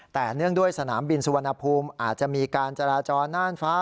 แต่เนื่องด้วยสนามบินสุวรรณภูมิอาจจะมีการจราจรน่านฟ้า